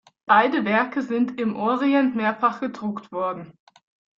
Beide Werke sind im Orient mehrfach gedruckt worden.